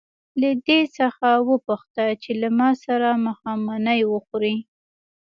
له دې څخه وپوښته چې له ما سره ماښامنۍ خوري.